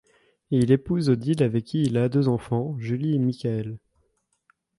Il épouse Odile avec qui il a deux enfants, Julie et Michaël.